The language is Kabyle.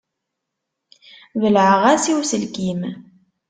Belɛeɣ-as i uselkim.